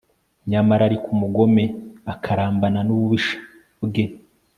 nyamara ariko umugome akarambana n'ububisha bwe